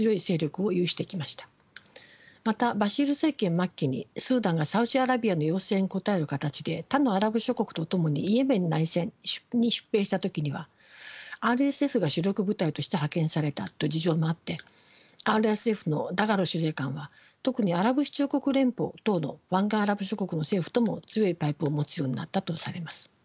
またバシール政権末期にスーダンがサウジアラビアの要請に応える形で他のアラブ諸国と共にイエメンの内戦に出兵した時にはＲＳＦが主力部隊として派遣されたという事情もあってＲＳＦのダガロ司令官は特にアラブ首長国連邦等の湾岸アラブ諸国の政府とも強いパイプを持つようになったとされます。